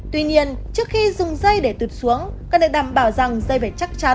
tuy nhiên trước khi dùng dây để tuyệt xuống cần để đảm bảo rằng dây phải chắc chắn